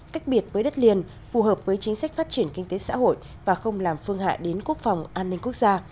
cách biệt với đất liền phù hợp với chính sách phát triển kinh tế xã hội và không làm phương hại đến quốc phòng an ninh quốc gia